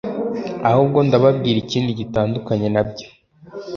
ahubwo ndababwira ikindi gitandukanye nabyo.